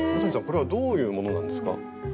これはどういうものなんですか？